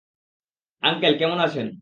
Uncle, কেমন আছেন?